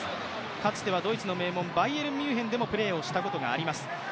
かつてはドイツの名門バイエルン・ミュンヘンでもプレーをしたことがあります